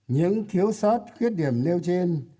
những thiếu sót khuyết điểm nêu trên